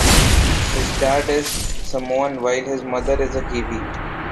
His dad is Samoan while his mother is a kiwi.